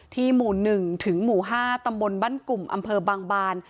หมู่๑ถึงหมู่๕ตำบลบ้านกลุ่มอำเภอบางบาน